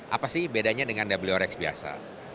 apa sih bedanya dengan wrx biasa